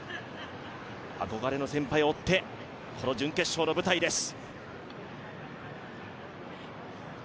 憧れの先輩を追って、この準決勝の舞台です。